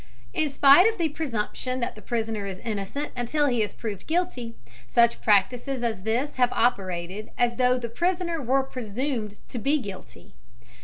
In spite of the presumption that the prisoner is innocent until he is proved guilty, such practices as this have operated as though the prisoner were presumed to be guilty.